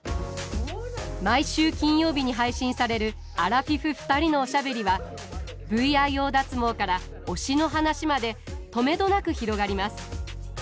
毎週金曜日に配信されるアラフィフ２人のおしゃべりはＶＩＯ脱毛から推しの話までとめどなく広がります。